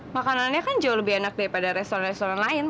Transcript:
makanannya kan jauh lebih enak daripada restoran restoran lain